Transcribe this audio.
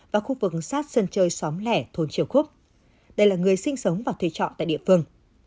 và khu vực sát sân chơi xóm lẻ thôn triều khúc đây là người sinh sống và thuê trọ tại địa phương